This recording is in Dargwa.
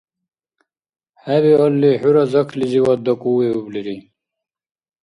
ХӀебиалли хӀура заклизивад дакӀувиублири.